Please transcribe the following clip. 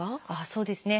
そうですね。